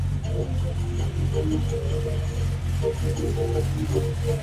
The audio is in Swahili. waliendelea na mazungumzo yao na kuafikiana kua Jacob atafanya kazi alopewa na bi anita